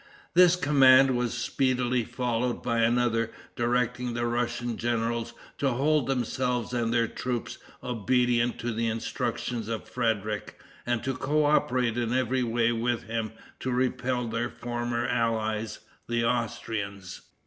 This command was speedily followed by another, directing the Russian generals to hold themselves and their troops obedient to the instructions of Frederic, and to coöperate in every way with him to repel their former allies, the Austrians.